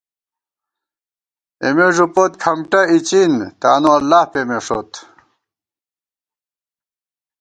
اېمےݫُپوت کھمٹہ اِڅِن ، تانواللہ پېمېݭوت